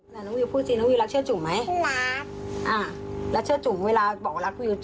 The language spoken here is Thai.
น้องรีวิวพูดจริงน้องรีวิวรักเชื่อจุ๋มไหมรักอ่ะแล้วเชื่อจุ๋มเวลาบอกรักรีวิว